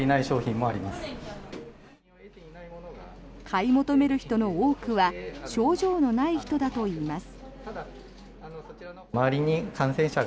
買い求める人の多くは症状のない人だといいます。